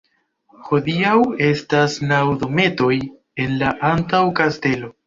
Hodiaŭ estas naŭ dometoj en la antaŭ-kastelo.